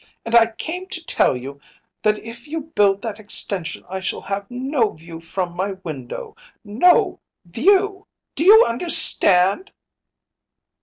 “And I came to tell you that if you build that extension I shall have no view from my window no view! Do you understand?